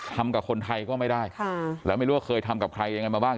ทำกับคนไทยก็ไม่ได้ค่ะแล้วไม่รู้ว่าเคยทำกับใครยังไงมาบ้าง